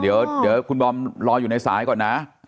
เดี๋ยวคุณบอมรออยู่ในสายก่อนนะ